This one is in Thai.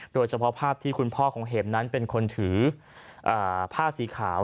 โดยเฉพาะภาพที่คุณพ่อของเห็มนั้นเป็นคนถือผ้าสีขาว